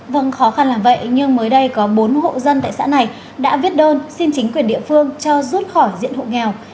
vâng khó khăn là vậy nhưng mới đây có bốn hộ dân tại xã này đã viết đơn xin chính quyền địa phương cho rút khỏi diện hộ nghèo